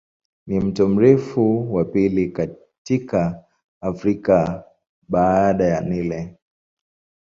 Ni mto mrefu wa pili katika Afrika baada ya Nile.